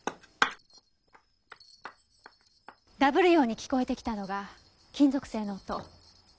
「」「」ダブるように聞こえてきたのが金属性の音。